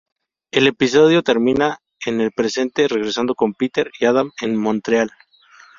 El episodio termina en el presente, regresando con Peter y Adam en Montreal.